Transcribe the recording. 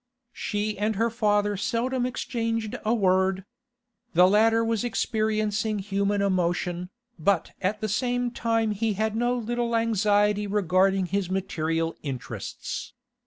She and her father seldom exchanged a word. The latter was experiencing human emotion, but at the same time he had no little anxiety regarding his material interests.